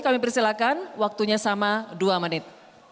kami persilakan waktunya sama dua menit